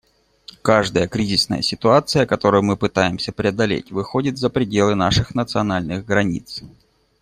Каждая кризисная ситуация, которую мы пытаемся преодолеть, выходит за пределы наших национальных границ.